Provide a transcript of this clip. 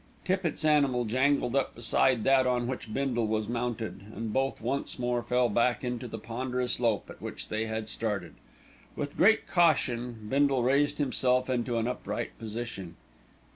Tippitt's animal jangled up beside that on which Bindle was mounted, and both once more fell back into the ponderous lope at which they had started. With great caution Bindle raised himself into an upright position.